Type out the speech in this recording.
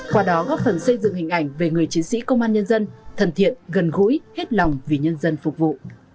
qua đó góp phần xây dựng hình ảnh về người chiến sĩ công an nhân dân thân thiện gần gũi hết lòng vì nhân dân phục vụ